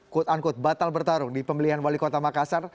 quote unquote batal bertarung di pemilihan wali kota makassar